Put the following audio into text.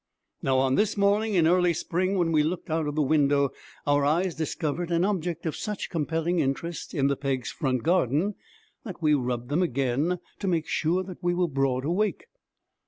Now, on this morning in early spring when we looked out of the window, our eyes discovered an object of such compelling interest in the Peggs' front garden that we rubbed them again to make sure that we were broad awake.